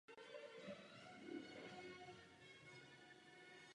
Předlohou komplexu se stala stavba mateřského kláštera milosrdných bratří ve Vídni.